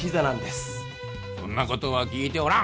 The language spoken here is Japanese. そんな事は聞いておらん！